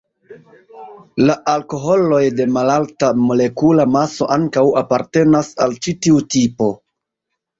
La alkoholoj de malalta molekula maso ankaŭ apartenas al ĉi tiu tipo.